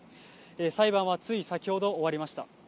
裁判はつい先ほど終わりました。